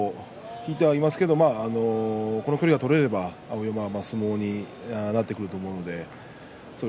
効いてはいますけれどもこの距離が取れれば相撲になってくると思うんです。